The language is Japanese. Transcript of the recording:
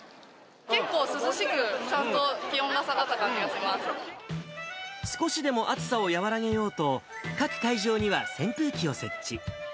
結構、涼しくちゃんと気温が少しでも暑さを和らげようと、各会場には扇風機を設置。